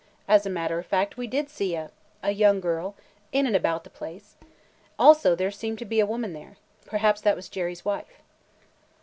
As a matter of fact, we did see a – a young girl in and about the place. Also there seemed to be a woman there. Perhaps that was Jerry's wife." Mr.